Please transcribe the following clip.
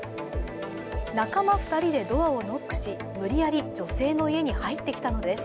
仲間２人でドアをノックし無理やり女性の家に入ってきたのです。